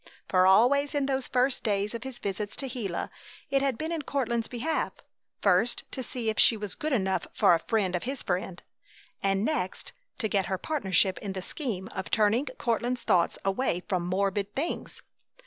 For always in those first days of his visits to Gila it had been in Courtland's behalf; first, to see if she was good enough for a friend of his friend, and next to get her partnership in the scheme of turning Courtland's thoughts away from "morbid" things.